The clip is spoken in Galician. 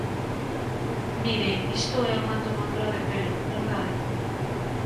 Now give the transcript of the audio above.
Mire, isto é unha tomadura de pelo, ¿verdade?